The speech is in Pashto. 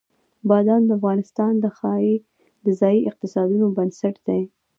بادام د افغانستان د ځایي اقتصادونو بنسټ دی.